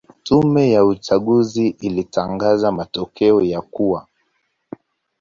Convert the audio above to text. Tume ya uchaguzi ilitangaza matokeo ya kuwa